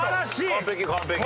完璧完璧。